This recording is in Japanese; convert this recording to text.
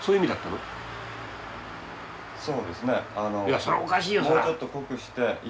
もうちょっと濃くして。